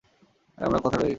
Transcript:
আরে তোরা কোথায় রয়ে গেছিস?